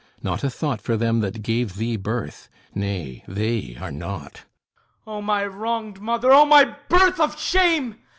Not a thought For them that gave thee birth; nay, they are naught! HIPPOLYTUS O my wronged Mother! O my birth of shame!